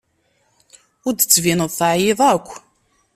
Ur d-tettbineḍ teɛyiḍ akk.